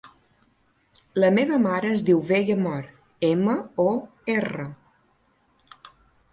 La meva mare es diu Vega Mor: ema, o, erra.